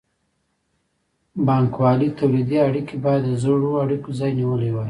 بانګوالي تولیدي اړیکې باید د زړو اړیکو ځای نیولی وای.